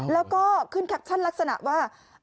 แล้วก็ขึ้นแคปชั่นลักษณะว่า